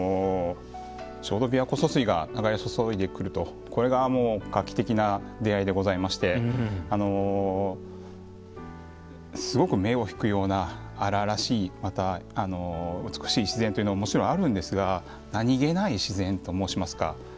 ちょうど琵琶湖疏水が流れ注いでくるとこれが画期的な出会いでございましてすごく目を引くような荒々しいまた美しい自然というのももちろんあるんですが何気ない自然と申しますか